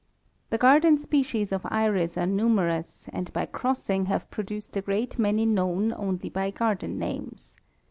The garden species of iris are numerous, and by crossing have produced a great many known only by garden names.